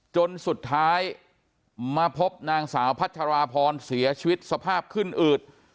จนสุดท้ายมาพบนางสาวพัชราพรเสียชีวิตสภาพขึ้นอืด